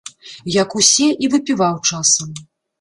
Як усе, і выпіваў часам.